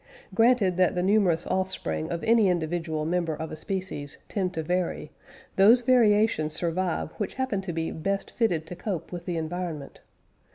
Granted that the numerous offspring of any individual member of a species tend to vary, those variations survive which happen to be best fitted to cope with the environment.